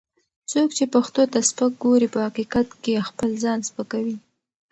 څوک چې پښتو ته سپک ګوري، په حقیقت کې خپل ځان سپکوي